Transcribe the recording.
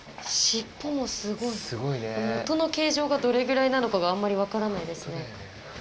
元の形状がどれぐらいなのかがあんまり分からないですね。